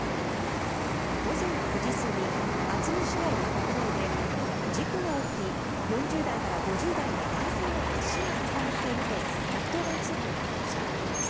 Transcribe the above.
午前９時過ぎ、厚木市内の国道で事故が起き４０代から５０代の男性の足が挟まっていると１１０番通報がありました。